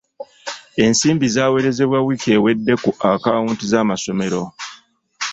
Ensimbi zaawerezebwa wiiki ewedde ku akaawunti z'amassomero.